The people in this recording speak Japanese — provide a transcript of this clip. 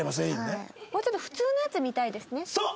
もうちょっと普通のやつ見たいですね。